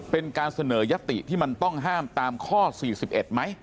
เป็นการเสนอยติที่มันต้องห้ามตามข้อ๔๑ไหม